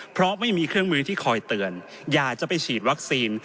เพราะไม่มีเครื่องมือที่คอยเตือนอยากจะไปฉีดวัคซีน